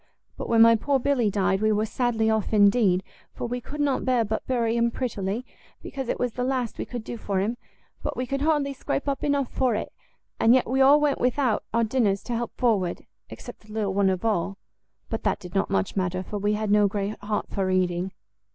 But when my poor Billy died, we were sadly off indeed, for we could not bear but bury him prettily, because it was the last we could do for him: but we could hardly scrape up enough for it, and yet we all went without our dinners to help forward, except the little one of all. But that did not much matter, for we had no great heart for eating.".